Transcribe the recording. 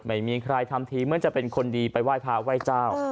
ไม่มีใครทำทีเหมือนจะเป็นคนดีไปไหว้พระไหว้เจ้า